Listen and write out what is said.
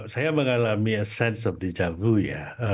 saya mengalami asensi yang jauh ya